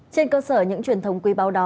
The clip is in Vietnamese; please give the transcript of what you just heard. trên cơ sở những truyền thống quý báo